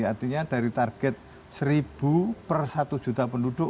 artinya dari target seribu per satu juta penduduk